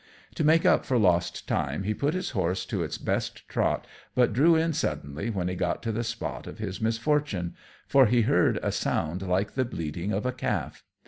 To make up for lost time he put his horse to its best trot, but drew in suddenly when he got to the spot of his misfortune, for he heard a sound like the bleating of a calf.